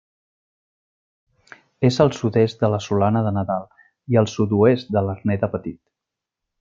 És al sud-est de la Solana de Nadal i al sud-oest de l'Arner de Petit.